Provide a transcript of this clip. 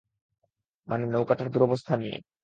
মানে, নৌকাটার দুরবস্থা নিয়ে।